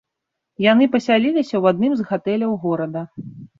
Яны пасяліліся ў адным з гатэляў горада.